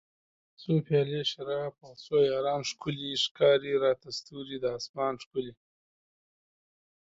څو پیالۍ شراب او څو یاران ښکلي ښکاري راته ستوري د اسمان ښکلي